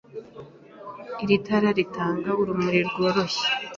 Iri tara ritanga urumuri rworoshye.